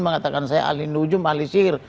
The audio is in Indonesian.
mengatakan saya ahli nujum ahli sihir